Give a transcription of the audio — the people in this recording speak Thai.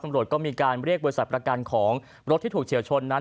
ตำรวจก็มีการเรียกบริษัทประกันของรถที่ถูกเฉียวชนนั้น